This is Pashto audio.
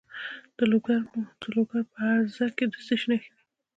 د لوګر په ازره کې د څه شي نښې دي؟